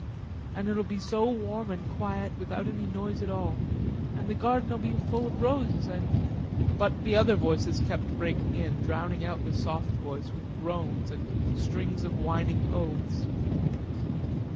" An' it'll be so warm an' quiet, without any noise at all. An' the garden'll be full of roses an'..." But the other voices kept breaking in, drowning out the soft voice with groans, and strings of whining oaths.